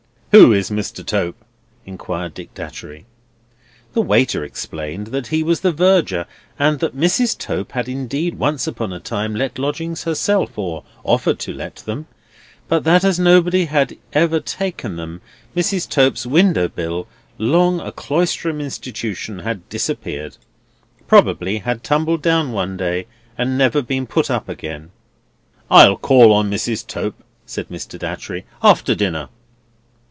"Who is Mr. Tope?" inquired Dick Datchery. The waiter explained that he was the Verger, and that Mrs. Tope had indeed once upon a time let lodgings herself or offered to let them; but that as nobody had ever taken them, Mrs. Tope's window bill, long a Cloisterham Institution, had disappeared; probably had tumbled down one day, and never been put up again. "I'll call on Mrs. Tope," said Mr. Datchery, "after dinner."